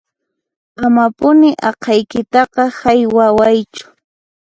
Amapuni aqhaykitaqa haywawaychu